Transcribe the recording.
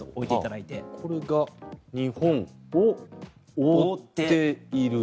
これが日本を覆っている。